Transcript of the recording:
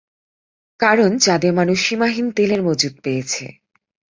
কারণ চাঁদে মানুষ সীমাহীন তেলের মজুদ পেয়েছে।